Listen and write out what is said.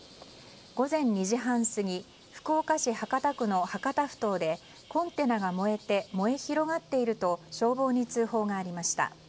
午前２時半過ぎ福岡市博多区の博多ふ頭でコンテナが燃えて燃え広がっていると消防に通報がありました。